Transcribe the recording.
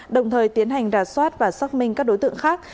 đồng thời tiến hành đà soát và xác minh các đối tượng khác